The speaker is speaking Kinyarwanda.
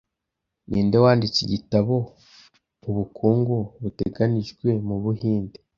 Ninde wanditse igitabo 'Ubukungu buteganijwe mu Buhinde'